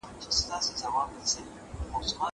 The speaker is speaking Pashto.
زه پرون نان خورم.